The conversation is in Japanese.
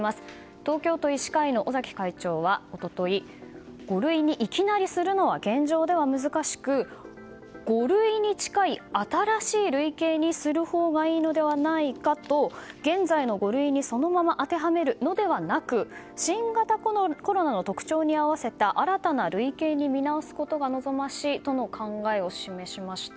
東京都医師会の尾崎会長は一昨日五類にいきなりするのは現状では難しく五類に近い新しい類型にするほうがいいのではないかと現在の五類にそのまま当てはめるのではなく新型コロナの特徴に合わせた新たな類型に見直すことが望ましいとの考えを示しました。